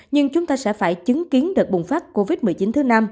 nhưng chúng ta sẽ phải chứng kiến đợt bùng phát covid một mươi chín thứ năm